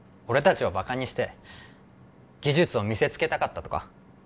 達をバカにして技術を見せつけたかったとか？